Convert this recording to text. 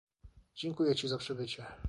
Dziękuję ci za przybycie